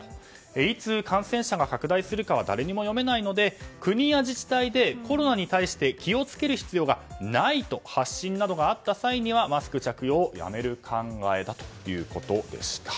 いつ感染者が拡大するかは誰にも読めないので国や自治体でコロナに対して気を付ける必要がないと発信などがあった際にはマスク着用をやめる考えだということでした。